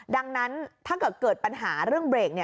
ดังนั้นถ้าเกิดเกิดปัญหาเรื่องเบรก